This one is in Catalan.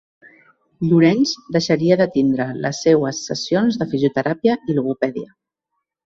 Llorenç deixaria de tindre les seues sessions de fisioteràpia i logopèdia.